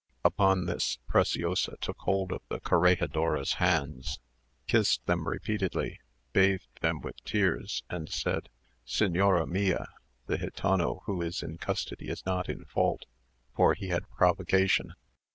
Upon this, Preciosa took hold of the corregidora's bands, kissed them repeatedly, bathed them with tears, and said, "Señora mia, the gitano who is in custody is not in fault, for he had provocation.